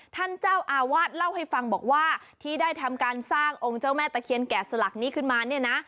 ท่านเจ้าอาวาสเล่าให้ฟังบอกว่าที่ได้ทำการสร้างองค์เจ้าแม่ตะเคียนแก่สลักนี้ขึ้นมาเนี่ยนะ